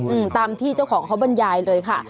อืมตามที่เจ้าของเขาบรรยายเลยค่ะ